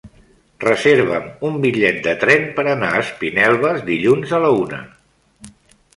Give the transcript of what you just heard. Reserva'm un bitllet de tren per anar a Espinelves dilluns a la una.